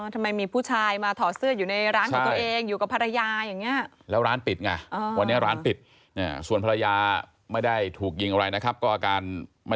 ทำไมมีผู้ชายมาถอดเสื้ออยู่ในร้านของตัวเองอยู่กับภรรยาอย่างนี้